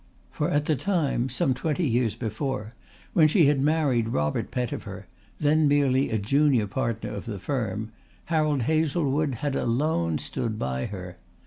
For at the time, some twenty years before, when she had married Robert Pettifer, then merely a junior partner of the firm, Harold Hazlewood had alone stood by her.